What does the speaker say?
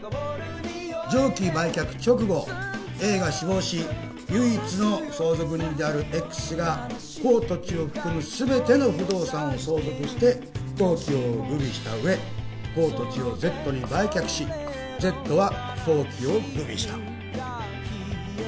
上記売却直後Ａが死亡し唯一の相続人であるＸが甲土地を含む全ての不動産を相続して登記を具備した上甲土地をＺに売却しＺは登記を具備した。